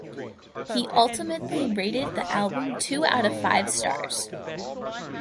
He ultimately rated the album two out of five stars.